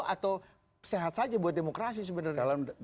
atau sehat saja buat demokrasi sebenarnya